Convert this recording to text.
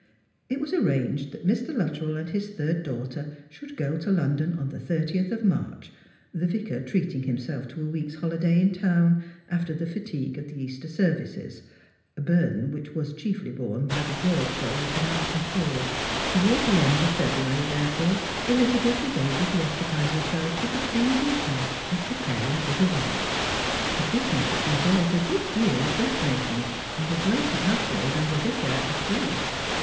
It was arranged that Mr. Luttrell and his third daughtm should go to London on the 30th of March, the Yicar treating himself to a week's holiday in town, after the fatigue of the Easter services ; a burden which was chiefly borne by the broad shoulders of Malcolm Forde. Towards the end of February, therefore, Elizabeth was able to occupy herself with the pleasing task of preparing for the visit; a business which involved a good deal of dressmaking, and a greater outlay than the Vicar approved.